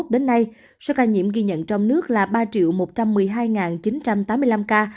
đến nay số ca nhiễm ghi nhận trong nước là ba một trăm một mươi hai chín trăm tám mươi năm ca